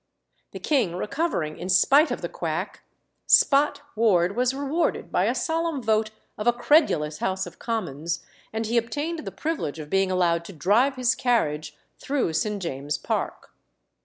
The king recovering in spite of the quack, "Spot" Ward was rewarded by a solemn vote of a credulous House of Commons, and he obtained the privilege of being allowed to drive his carriage through St. James's Park.